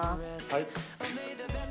はい。